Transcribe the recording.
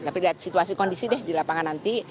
tapi lihat situasi kondisi deh di lapangan nanti